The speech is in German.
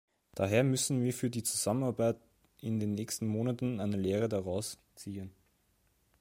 Daher müssen wir für die Zusammenarbeit in den nächsten Monaten eine Lehre daraus ziehen.